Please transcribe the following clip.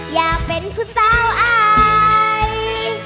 อยากเป็นผู้สาวไอ